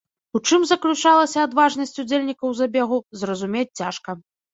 У чым заключалася адважнасць удзельнікаў забегу, зразумець цяжка.